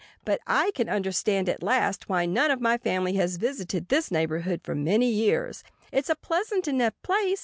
But I can understand at last why none of my family has visited this neighborhood for many years. It's a pleasant enough place.